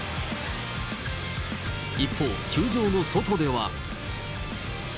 一方、球場の外では。